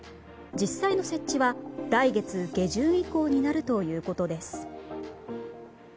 実際の設置は来月下旬以降になるということです。